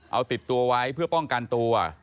เอาติดตัวไว้เพื่อป้องกันตัว